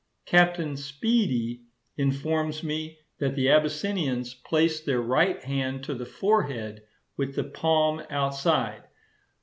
Captain Speedy informs me that the Abyssinians place their right hand to the forehead, with the palm outside.